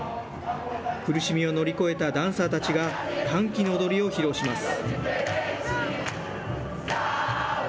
苦しみを乗り越えたダンサーたちが、歓喜の踊りを披露します。